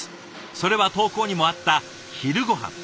それは投稿にもあった昼ごはん。